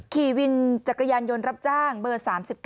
ขี่วินจักรยานยนต์รับจ้างเบอร์๓๙